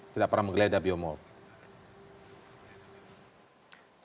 tidak pernah menggeledah biomarker